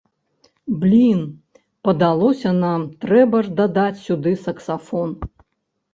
Блін, падалося нам, трэба ж дадаць сюды саксафон!